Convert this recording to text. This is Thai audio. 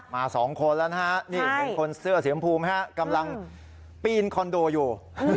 สองคนแล้วนะฮะนี่เห็นคนเสื้อสีชมพูไหมฮะกำลังปีนคอนโดอยู่